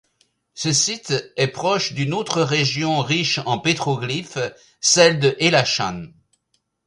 Ce site est proche d'une autre région riche en pétroglyphes, celle de Helanshan.